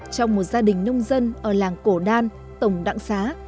trong một gia đình nông dân ở làng cổ đan tổng đặng xá